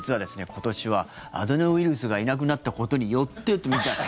今年はアデノウイルスがいなくなったことによってって。